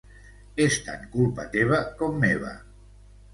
És tant culpa teva com meva.